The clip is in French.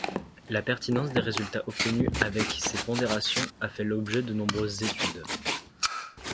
La pertinence des résultats obtenus avec ces pondérations a fait l'objet de nombreuses études.